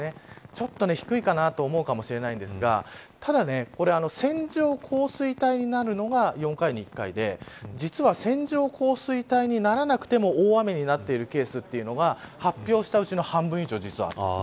ちょっと低いかなと思うかもしれないんですがただ、線状降水帯になるのが４回に１回で実は線状降水帯にならなくても大雨になっているケースが発表した半分以上、実はある。